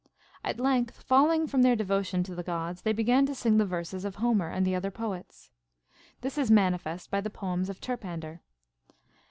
At length, falling from their devotion to the Gods, they began to sing the verses of Homer and other poets. This is manifest by the proems of Terpander.